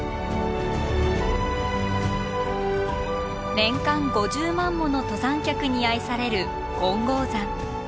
年間５０万もの登山客に愛される金剛山。